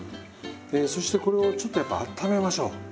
えそしてこれをちょっとやっぱあっためましょう。